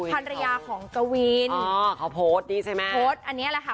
ภรรยาของกววินอ้อเขาโพสต์อันเนี้ยแหละค่ะ